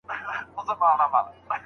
پوهانو وویل چې بې وزلي د جرمونو سبب کیږي.